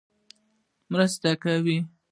مرستې کولې.